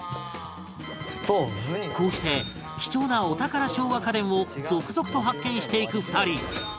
こうして貴重なお宝昭和家電を続々と発見していく２人